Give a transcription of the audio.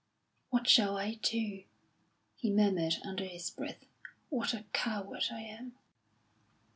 "What shall I do?" he murmured under his breath. "What a coward I am!"